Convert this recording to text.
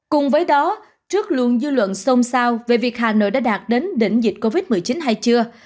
cùng với đó trước luôn dư luận xôn xao về việc hà nội đã đạt đến đỉnh dịch covid một mươi chín hay chưa